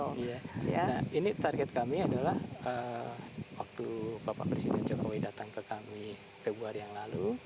nah ini target kami adalah waktu bapak presiden jokowi datang ke kami februari yang lalu